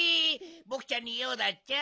ボクちゃんにようだっちゃ？